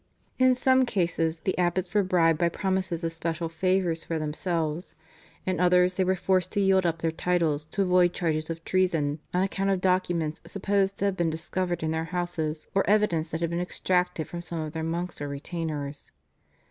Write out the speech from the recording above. In some cases the abbots were bribed by promises of special favours for themselves, in others they were forced to yield up their titles to avoid charges of treason on account of documents supposed to have been discovered in their houses or evidence that had been extracted from some of their monks or retainers.